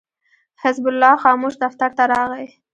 حزب الله خاموش دفتر ته راغی.